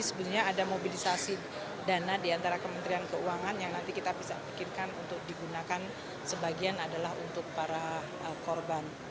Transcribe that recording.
sebenarnya ada mobilisasi dana di antara kementerian keuangan yang nanti kita bisa pikirkan untuk digunakan sebagian adalah untuk para korban